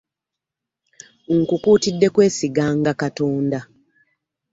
Nkukuutidde kwesiga nga Katonda .